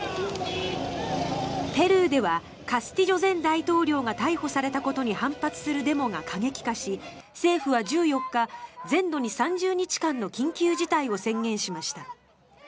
ペルーではカスティジョ前大統領が逮捕されたことに反発するデモが過激化し政府は１４日、全土に３０日間の緊急事態を宣言しました。